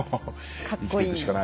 かっこいい。